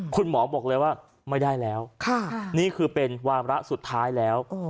คุณหมอบอกเลยว่าไม่ได้แล้วนี่คือเป็นวาระสุดท้ายแล้ว